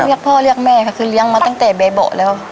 เรียกพ่อเรียกแม่ค่ะคือเลี้ยงมาตั้งแต่ใบเบาะแล้ว